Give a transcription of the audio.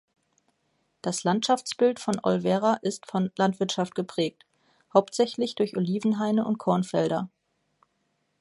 Das Landschaftsbild um Olvera ist von Landwirtschaft geprägt, hauptsächlich durch Oliven-Haine und Kornfelder.